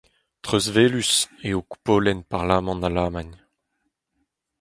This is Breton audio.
Treuzwelus eo koupolenn parlamant Alamagn.